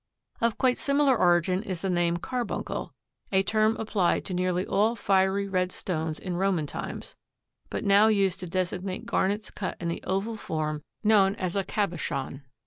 Of quite similar origin is the name carbuncle, a term applied to nearly all fiery red stones in Roman times, but now used to designate garnets cut in the oval form known as cabochon.